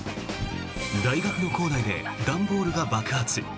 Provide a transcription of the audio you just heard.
大学の構内で段ボールが爆発。